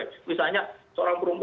itu disadari hti tidak